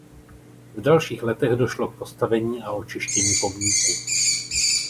V dalších letech došlo k postavení a očištění pomníků.